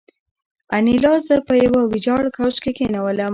انیلا زه په یوه ویجاړ کوچ کې کېنولم